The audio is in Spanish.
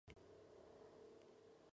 Have you ever really loved a woman?